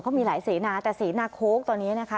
เขามีหลายเสนาแต่เสนาโค้กตอนนี้นะคะ